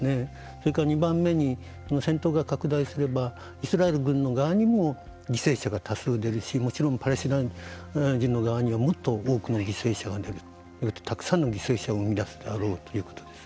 それから２番目に戦闘が拡大すればイスラエル軍の側にも犠牲者が多数出るしもちろんパレスチナ人の側にはもっと多くの犠牲者が出るということでよってたくさんの犠牲者を生み出すだろうということです。